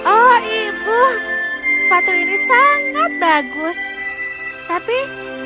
oh ibu sepatu ini sangat bagus tapi bagaimana dengan janjiku pada hari ini